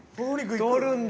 取るんだ。